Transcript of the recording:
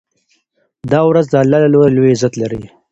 دا ورځ د الله له لوري لوی عزت لري.